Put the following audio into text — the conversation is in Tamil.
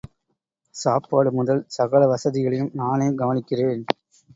சாப்பாடு முதல் சகல வசதிகளையும் நானே கவனிக்கிறேன்.